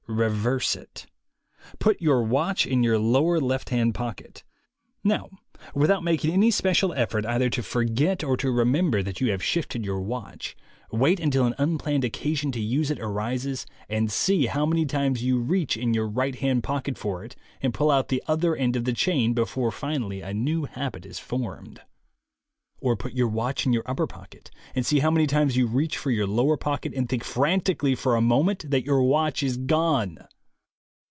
Reverse it; put your watch in your lower left hand pocket. Now, with out making any special effort either to forget or to THE WAY TO WILL POWER 71 remember that you have shifted your watch, wait until an unplanned occasion to use it arises, and see how many times you reach in your right hand pocket for it and pull out the other end of the chain before finally a new habit is formed. Or put your watch in your upper pocket, and see how many times you reach for your lower pocket and think frantic ally for a moment that your watch is gone.